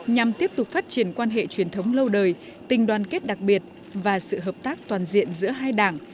nhằm tiếp tục phát triển quan hệ truyền thống lâu đời tình đoàn kết đặc biệt và sự hợp tác toàn diện giữa hai đảng